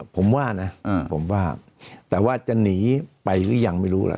ผมว่านะผมว่าแต่ว่าจะหนีไปหรือยังไม่รู้ล่ะ